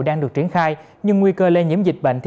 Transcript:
đang được triển khai nhưng nguy cơ lây nhiễm dịch bệnh thì